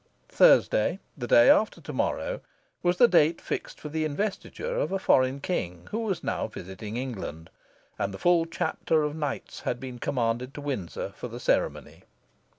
Thursday, the day after to morrow, was the date fixed for the investiture of a foreign king who was now visiting England: and the full chapter of Knights had been commanded to Windsor for the ceremony.